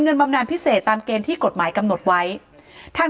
บำนานพิเศษตามเกณฑ์ที่กฎหมายกำหนดไว้ทาง